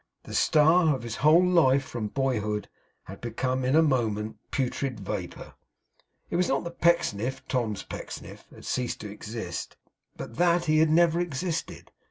The star of his whole life from boyhood had become, in a moment, putrid vapour. It was not that Pecksniff, Tom's Pecksniff, had ceased to exist, but that he never had existed.